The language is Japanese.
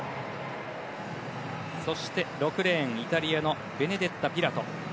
そして、６レーンイタリアのベネデッタ・ピラト。